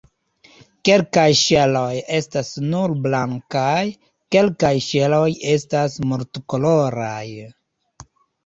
Kelkaj ŝeloj estas nur blankaj, kelkaj ŝeloj estas multkoloraj.